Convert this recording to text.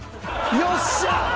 よっしゃ！